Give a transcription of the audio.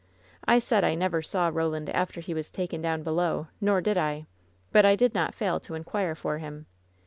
I said I never saw Koland after he was taken down below, nor did I! But I did not fail to inquire for him.